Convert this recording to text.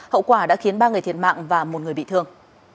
hậu quả đã khiến ba người thiệt mạng và một người bị thương